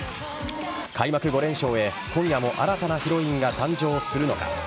開幕５連勝へ、今夜も新たなヒロインが誕生するのか。